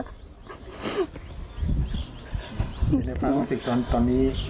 เจ๊เด็กกลับมาฟังสิทธิ์ตอนนี้